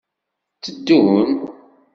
Tteddun.